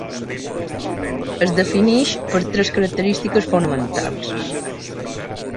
Es definix per tres característiques fonamentals.